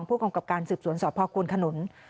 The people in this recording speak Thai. ที่เจอพวกองกับการสืบสวนสภพพกรกูลขนุน